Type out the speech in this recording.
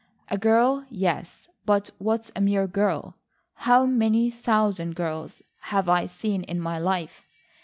"A girl, yes. But what's a mere girl? How many thousand girls have I seen in my life?